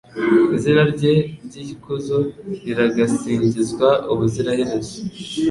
Izina rye ry’ikuzo riragasingizwa ubuziraherezo